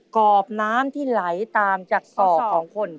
กรอบน้ำที่ไหลตามจากศอกของคน